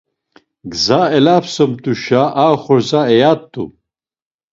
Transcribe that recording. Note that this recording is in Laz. Gzas elapsamt̆uşa a xordza eyat̆u.